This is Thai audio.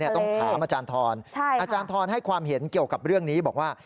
ต้องถามอาจารย์ทรอาจารย์ทรให้ความเห็นเกี่ยวกับเรื่องนี้บอกว่า